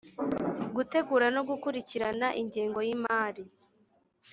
Gutegura no gukurikirana ingengo y imari